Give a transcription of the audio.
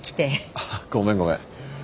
ああごめんごめん。